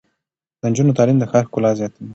د نجونو تعلیم د ښار ښکلا زیاتوي.